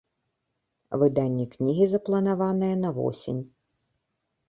Выданне кнігі запланаванае на восень.